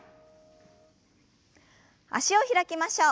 脚を開きましょう。